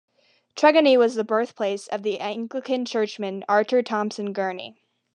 Tregony was the birthplace of the Anglican churchman Archer Thompson Gurney.